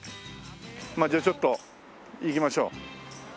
まあじゃあちょっと行きましょう。